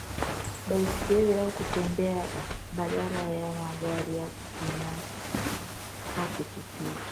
baiskeli au kutembea badala ya magari ya kibinafsi au pikipiki